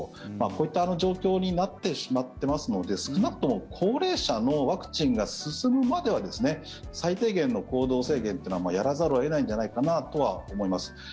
こういった状況になってしまってますので少なくとも高齢者のワクチンが進むまでは最低限の行動制限というのはやらざるを得ないんじゃないかなとは思います。